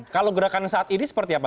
kalau gerakan saat ini seperti apa